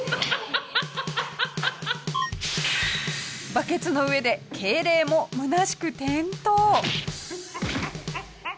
バケツの上で敬礼もむなしく転倒。